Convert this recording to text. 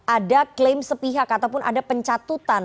ada klaim sepihak ataupun ada pencatutan